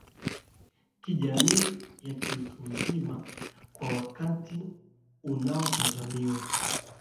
kijamii ya kiutu uzima kwa wakati unaotazamiwa